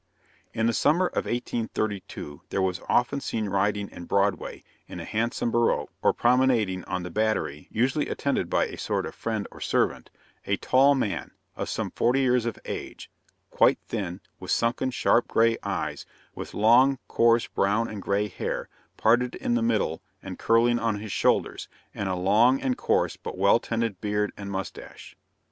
In the summer of 1832, there was often seen riding in Broadway, in a handsome barouche, or promenading on the Battery (usually attended by a sort of friend or servant,) a tall man, of some forty years of age, quite thin, with sunken, sharp gray eyes, with long, coarse, brown and gray hair, parted in the middle and curling on his shoulders, and a long and coarse but well tended beard and mustache.